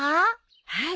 はい。